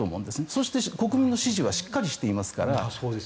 そして、国民の支持はしっかりしていますから。